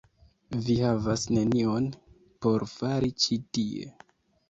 Vi havas nenion por fari ĉi tie.